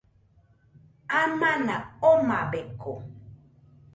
Amana omabeko.